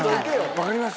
わかります？